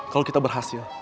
kalo kita berhasil